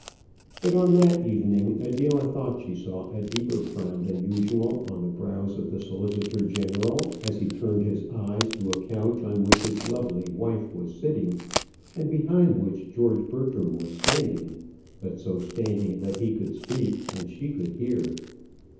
But on that evening, Adela thought she saw a deeper frown than usual on the brows of the solicitor general, as he turned his eyes to a couch on which his lovely wife was sitting, and behind which George Bertram was standing, but so standing that he could speak and she could hear.